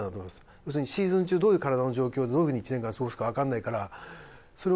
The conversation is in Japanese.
要するにシーズン中どういう体の状況でどういう風に１年間過ごすかわからないから。